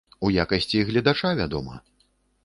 У якасці гледача, вядома!